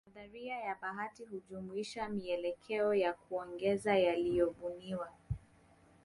Nadharia ya bahati hujumuishwa mielekeo ya kuongeza yaliyobuniwa